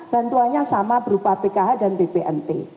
bantuanya sama berupa pkh dan bpnp